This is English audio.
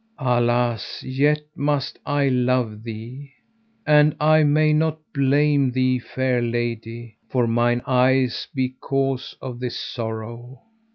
Alas, yet must I love thee. And I may not blame thee, fair lady, for mine eyes be cause of this sorrow.